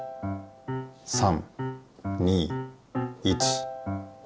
３２１。